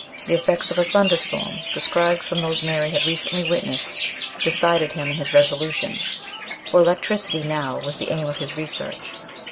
The effects of a thunderstorm, described from those Mary had recently witnessed, decided him in his resolution, for electricity now was the aim of his research.